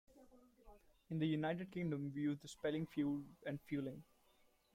In the United Kingdom we use the spellings fuelled and fuelling.